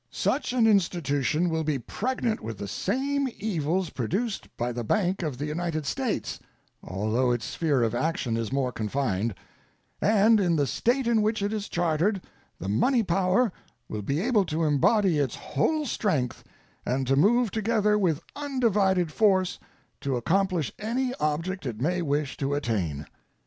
Such an institution will be pregnant with the same evils produced by the Bank of the United States, although its sphere of action is more confined, and in the State in which it is chartered the money power will be able to embody its whole strength and to move together with undivided force to accomplish any object it may wish to attain.